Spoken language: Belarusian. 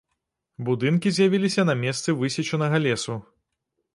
Будынкі з'явіліся на месцы высечанага лесу.